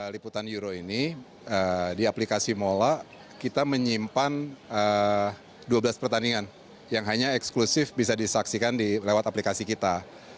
liputan euro ini di aplikasi mola kita menyimpan dua belas pertandingan yang hanya eksklusif bisa disaksikan lewat aplikasi kita